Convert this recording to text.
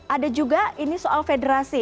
ada juga ini soal federasi